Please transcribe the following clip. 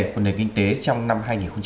của nền kinh tế trong năm hai nghìn một mươi năm